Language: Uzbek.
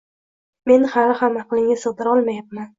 men hali ham aqlimga sig‘dira olmayapman.